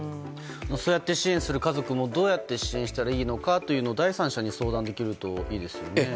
そうやって支援する家族もどうやって支援したらいいのかというのを第三者に相談できるといいですよね。